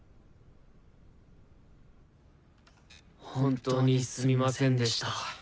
本当にすみませんでした。